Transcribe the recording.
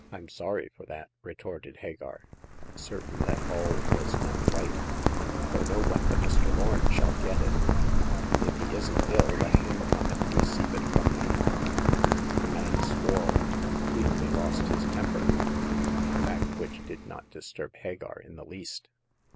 Fm sorry for that," retorted Hagar, certain that all was not right, for no one but Mr. Lorn shall get it. If he isn't ill, let him come and re ceive it from me." The man swore and completely lost his temper — a fact which did not disturb Hagar in the least.